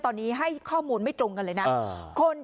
ตอนนี้ให้ข้อมูลไม่ตรงกันเลยนะ